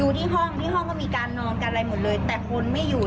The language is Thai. ที่ห้องที่ห้องก็มีการนอนกันอะไรหมดเลยแต่คนไม่อยู่